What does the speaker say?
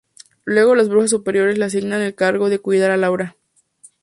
Luego las brujas superiores le asignan el cargo de cuidar a Laura.